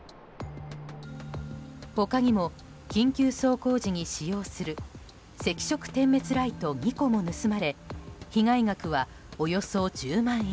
他にも、緊急走行時に使用する赤色点滅ライト２個も盗まれ被害額はおよそ１０万円。